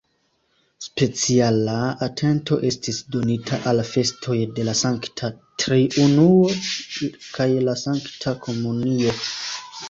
Speciala atento estis donita al festoj de la Sankta Triunuo kaj la Sankta Komunio.